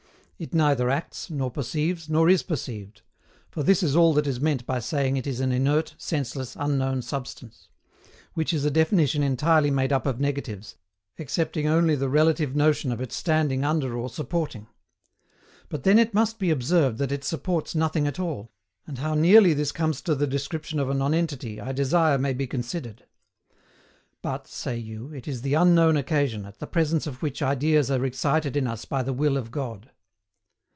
It neither acts, nor perceives, nor is perceived; for this is all that is meant by saying it is an inert, senseless, unknown substance; which is a definition entirely made up of negatives, excepting only the relative notion of its standing under or supporting. But then it must be observed that it supports nothing at all, and how nearly this comes to the description of a nonentity I desire may be considered. But, say you, it is the unknown occasion, at the presence of which ideas are excited in us by the will of God.